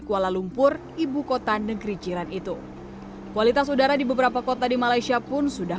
kuala lumpur ibukota negeri chiran itu kualitas udara di beberapa kota di malaysia pun sudah